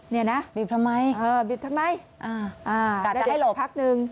นี่นะบีบทำไมเออบีบทำไมได้เดี๋ยวสักพักนึง